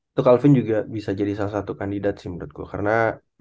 itu calvin juga bisa jadi salah satu kandidat sih menurut gua karena